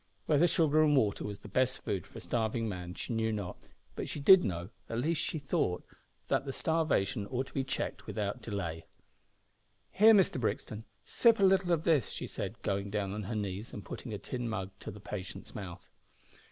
Whether sugar and water was the best food for a starving man she knew not, but she did know at least she thought that the starvation ought to be checked without delay. "Here, Mr Brixton, sip a little of this," she said, going down on her knees, and putting a tin mug to the patient's mouth.